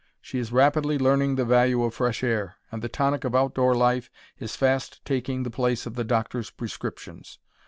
She is rapidly learning the value of fresh air, and the tonic of outdoor life is fast taking the place of the doctor's prescriptions.